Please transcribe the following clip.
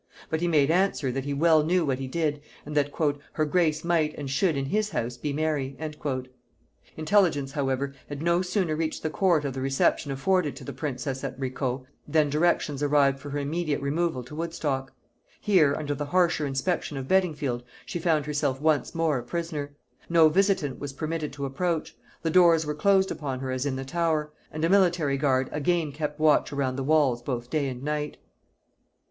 But he made answer, that he well knew what he did, and that "her grace might and should in his house be merry." Intelligence however had no sooner reached the court of the reception afforded to the princess at Ricot, than directions arrived for her immediate removal to Woodstock. Here, under the harsher inspection of Beddingfield, she found herself once more a prisoner. No visitant was permitted to approach; the doors were closed upon her as in the Tower; and a military guard again kept watch around the walls both day and night.